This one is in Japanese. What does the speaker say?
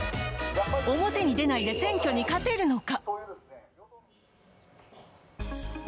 表に出ないで選挙に勝てるのか。